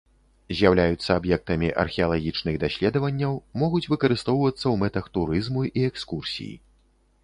З'яўляюцца аб'ектамі археалагічных даследаванняў, могуць выкарыстоўвацца ў мэтах турызму і экскурсій.